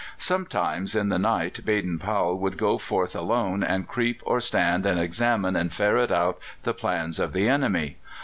Sometimes in the night Baden Powell would go forth alone, and creep or stand and examine and ferret out the plans of the enemy.